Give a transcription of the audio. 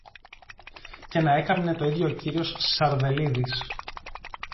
Και να έκαμνε το ίδιο ο κύριος Σαρδελίδης!